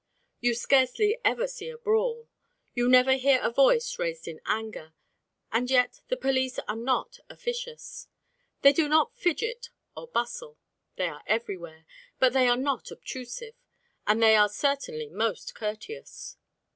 You scarcely ever see a brawl, you never hear a voice raised in anger; and yet the police are not officious. They do not fidget or bustle: they are everywhere, but they are not obtrusive, and they are certainly most courteous.